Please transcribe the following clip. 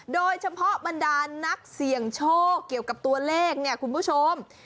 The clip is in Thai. บรรดานักเสี่ยงโชคเกี่ยวกับตัวเลขเนี่ยคุณผู้ชม